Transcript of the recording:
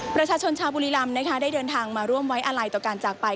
ประชาชนชาวบุรีรำนะคะได้เดินทางมาร่วมไว้อาลัยต่อการจากไป